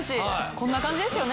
こんな感じですよね